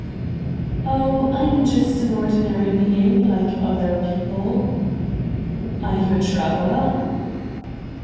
"Oh, I'm just an ordinary being, like other people." "Are you a traveler?"